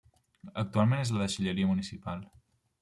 Actualment és la deixalleria municipal.